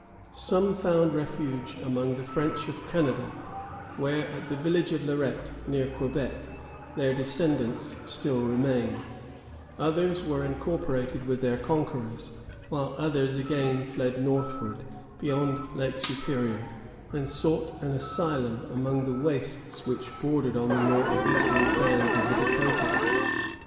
Some found refuge among the French of Canada, where, at the village of Lorette, near Quebec, their descendants still remain; others were incorporated with their conquerors; while others again fled northward, beyond Lake Superior, and sought an asylum among the wastes which bordered on the north eastern bands of the Dahcotah.